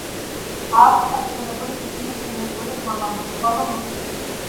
აქვს წაგრძელებული, თითქმის ცილინდრული ფორმა, მომრგვალო მუცელი.